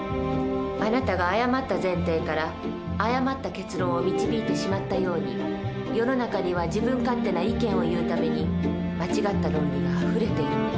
あなたが誤った前提から誤った結論を導いてしまったように世の中には自分勝手な意見を言うために間違った論理があふれているの。